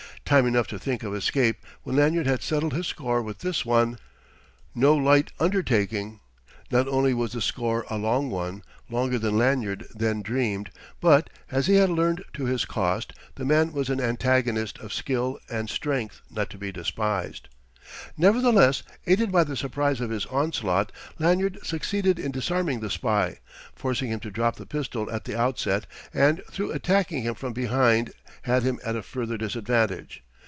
Time enough to think of escape when Lanyard had settled his score with this one: no light undertaking; not only was the score a long one, longer than Lanyard then dreamed, but, as he had learned to his cost, the man was an antagonist of skill and strength not to be despised. Nevertheless, aided by the surprise of his onslaught, Lanyard succeeded in disarming the spy, forcing him to drop the pistol at the outset, and through attacking from behind had him at a further disadvantage.